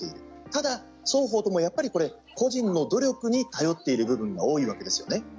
ただ、双方ともやっぱり個人の努力に頼っている部分が多いわけですよね。